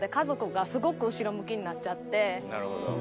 なるほど。